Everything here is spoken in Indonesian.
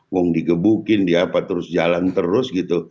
mau digebukin dia apa terus jalan terus gitu